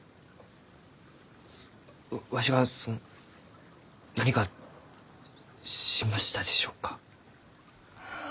わしがその何かしましたでしょうか？